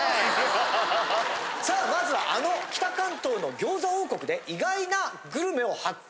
さあまずはあの北関東の餃子王国で意外なグルメを発見。